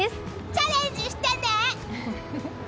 チャレンジしてね！